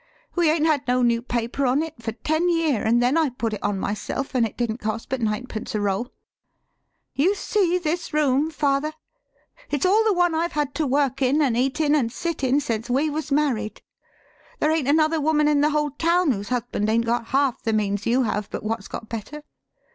We 'ain't had no new paper on it for ten year, an' then I put it on myself, an' it didn't cost but ninepence a roll. You see this room, father; it's all the one I've had to work 162 THE SHORT STORY in an' eat in an' sit in sence we was mar ried. There ain't another woman in the whole town whose husband 'ain't got half the means you have but what's got better.